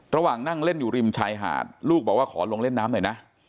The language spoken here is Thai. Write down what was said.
ระหว่างนั่งเล่นอยู่ริมชายหาดลูกบอกว่าขอลงเล่นน้ำหน่อยนะ